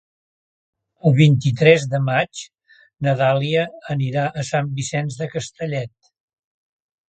El vint-i-tres de maig na Dàlia anirà a Sant Vicenç de Castellet.